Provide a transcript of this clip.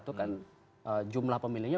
itu kan jumlah pemilihnya